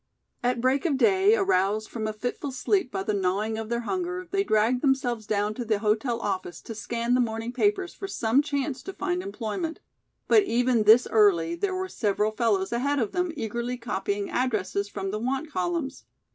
At break of day, aroused from a fitful sleep by the gnawing of their hunger, they dragged themselves down to the hotel office to scan the morning papers for some chance to find employment. But even this early there were several fellows ahead of them eagerly copying addresses from the want columns.